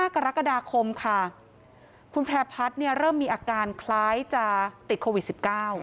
๕กรกฎาคมค่ะคุณแพร่พัดเริ่มมีอาการคล้ายจากติดโควิด๑๙